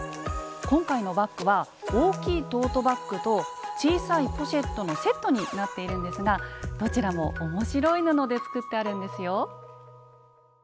今回のバッグは大きいトートバッグと小さいポシェットのセットになっているんですがどちらも面白い布で作ってあるんですよ。